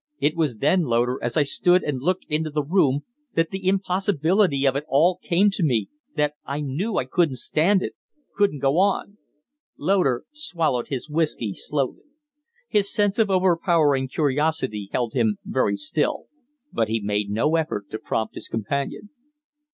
It was then, Loder, as I stood and looked into the room, that the impossibility of it all came to me that I knew I couldn't stand it couldn't go on." Loder swallowed his whiskey slowly. His sense of overpowering curiosity held him very still; but he made no effort to prompt his companion.